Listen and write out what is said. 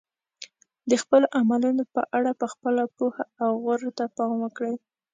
د خپلو عملونو په اړه په خپله پوهه او غورو ته پام وکړئ.